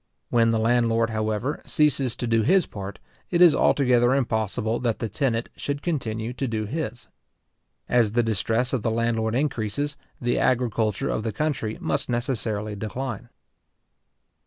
When the landlord, however, ceases to do his part, it is altogether impossible that the tenant should continue to do his. As the distress of the landlord increases, the agriculture of the country must necessarily decline.